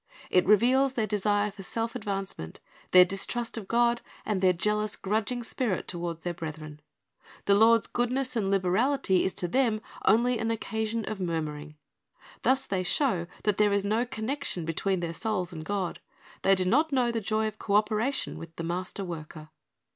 It reveals their desire for self advancement, their distrust of God, and their jealous, grudging spirit toward their brethren. The Lord's goodness and liberality is to them only an occasion of murmuring. Thus they show that there is no connection between their souls and God. They do not know the joy of co operation with the Master worker.